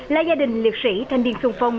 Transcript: là gia đình liệt sĩ thanh niên xung phong